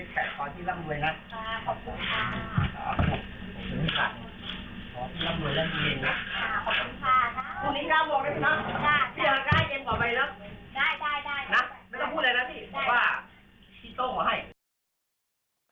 คุณนี่ก้าวบอกได้ปะทีละคร่ะได้เย็นกว่าไปนะไม่ต้องพูดเลยนะสิพี่โต๊ะขอให้